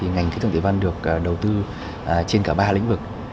ngành khí tượng thủy văn được đầu tư trên cả ba lĩnh vực